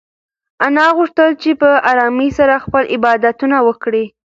انا غوښتل چې په ارامۍ سره خپل عبادتونه وکړي.